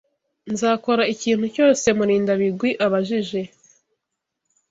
Nzakora ikintu cyose Murindabigwi abajije.